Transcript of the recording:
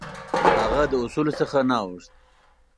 هغه د اصولو څخه نه اوښت.